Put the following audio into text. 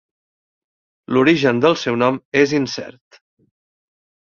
L'origen del seu nom és incert.